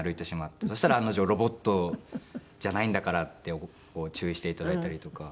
そしたら案の定ロボットじゃないんだからって注意して頂いたりとか。